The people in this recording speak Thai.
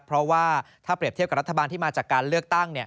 เพราะว่าถ้าเปรียบเทียบกับรัฐบาลที่มาจากการเลือกตั้ง